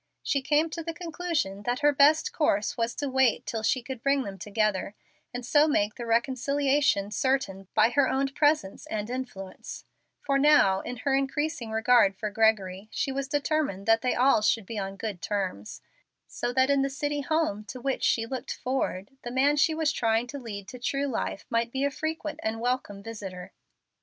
She came to the conclusion that her best course was to wait till she could bring them together, and so make the reconciliation certain by her own presence and influence; for now, in her increasing regard for Gregory, she was determined that they all should be on good terms, so that in the city home to which she looked forward the man she was trying to lead to true life might be a frequent and welcome visitor.